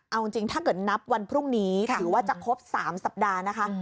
เอาจริงถ้าเกิดนับวันพรุ่งนี้ถือว่าจะครบ๓สัปดาห์นะคะ